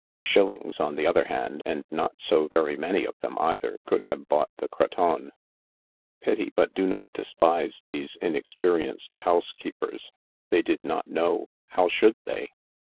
Shillings, on the other hand, and not so very many of them either, could have bought the cretonne. Pity, but do not despise these inexperienced housekeepers. They did not know— how should they?